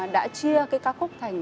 đã chia cái ca khúc thành